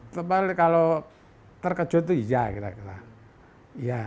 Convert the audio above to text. tapi kalau terkejut ya kira kira